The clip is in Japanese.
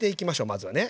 まずはね。